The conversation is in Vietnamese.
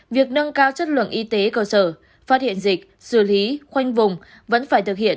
việc nâng cao chất lượng y tế cơ sở phát hiện dịch xử lý khoanh vùng vẫn phải thực hiện